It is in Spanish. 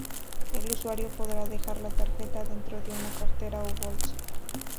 El usuario podrá dejar la tarjeta dentro de una cartera o bolso.